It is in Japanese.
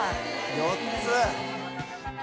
４つ！